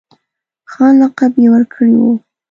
خان لقب یې ورکړی وو.